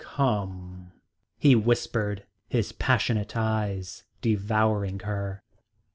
"Come," he whispered, his passionate eyes devouring her.